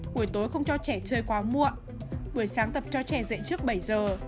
buổi tối không cho trẻ chơi quá muộn buổi sáng tập cho trẻ dạy trước bảy giờ